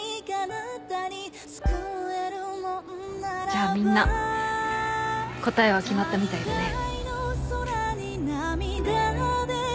じゃあみんな答えは決まったみたいだね。